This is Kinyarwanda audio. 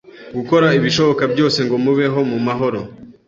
gukora ibishoboka byose ngo mubeho mu mahoro